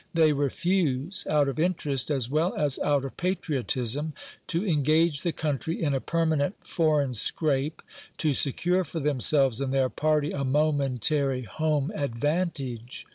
They refuse, out of interest as well as out of patriotism, to engage the country in a permanent foreign scrape, to secure for themselves and their party a momentary home advantage.